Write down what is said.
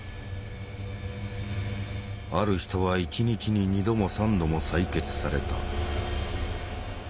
ある人は一日に二度も三度も採血された。